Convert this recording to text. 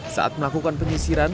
saat melakukan penyisiran